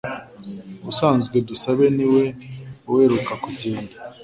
Ubusanzwe Dusabe niwe uheruka kugenda